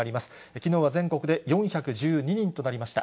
きのうは、全国で４１２人となりました。